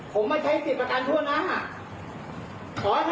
ผมไม่ใช้สิทธิประการทั่วน้ำ